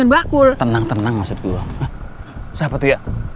lo mau tenang tenang saja gede